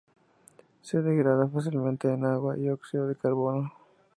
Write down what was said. Se degrada fácilmente en agua y óxido de carbono.